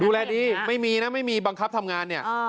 ดูแลดีไม่มีนะไม่มีบังคับทำงานเนี่ย